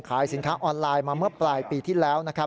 ขายสินค้าออนไลน์มาเมื่อปลายปีที่แล้วนะครับ